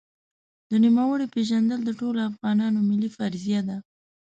د نوموړي پېژندل د ټولو افغانانو ملي فریضه ده.